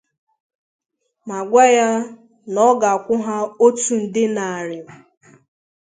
ma gwa ya na ọ ga-akwụ ha otu nde nàrị ma